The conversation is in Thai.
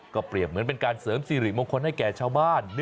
เปรียบเหมือนเป็นการเสริมสิริมงคลให้แก่ชาวบ้าน